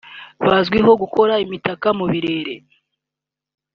Bazwiho gukora Imitako mu birere